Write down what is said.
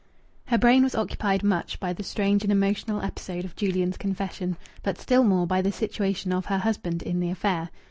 Her brain was occupied much by the strange and emotional episode of Julian's confession, but still more by the situation of her husband in the affair.